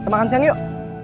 makan siang yuk